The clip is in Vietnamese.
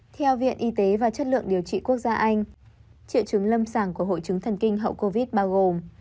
theo viện y tế và chất lượng điều trị quốc gia anh triệu chứng lâm sàng của hội chứng thần kinh hậu covid bao gồm